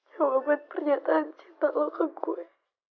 jawaban pernyataan cinta lo ke gue